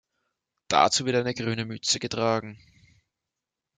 Dazu wird eine grüne Mütze getragen.